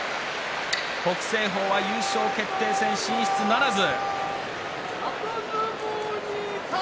北青鵬は優勝決定戦、進出ならず。